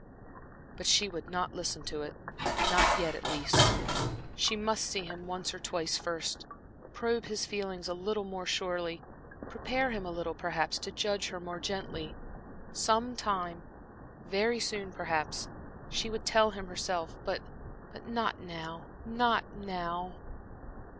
But she would not listen to it not yet, at least. She must see him once or twice first, probe his feelings a little more surely, prepare him a little, perhaps, to judge her more gently.... Some time very soon, perhaps, she would tell him herself, but not now, not now....